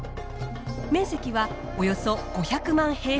面積はおよそ５００万。